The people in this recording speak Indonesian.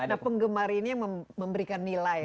nah penggemar ini yang memberikan nilai